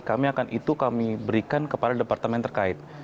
kami akan itu kami berikan kepada departemen terkait